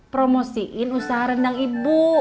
promosiin usaha rendang ibu